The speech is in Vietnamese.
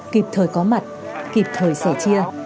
kiệp thời có mặt kiệp thời sẻ chia